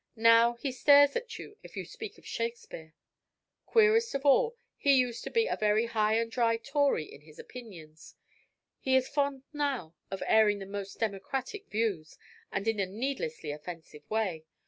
Now he stares at you if you speak of Shakespeare. Queerest of all, he used to be a very high and dry Tory in his opinions. He is fond now of airing the most democratic views, and in a needlessly offensive way.